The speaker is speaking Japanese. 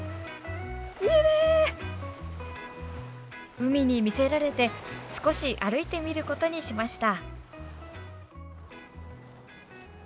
海に魅せられて少し歩いてみることにしました。